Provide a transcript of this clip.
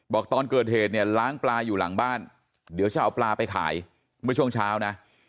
บอกตอนเกิดเหตุเนี่ยล้างปลาอยู่หลังบ้านเดี๋ยวจะเอาปลาไปขายเมื่อช่วงเช้านะ